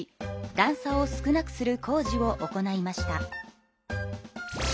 だん差を少なくする工事を行いました。